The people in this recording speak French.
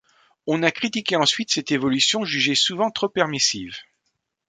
On a critiqué ensuite cette évolution jugée souvent trop permissive.